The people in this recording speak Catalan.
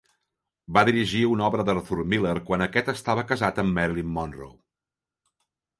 Va dirigir una obra d'Arthur Miller quan aquest estava casat amb Marilyn Monroe.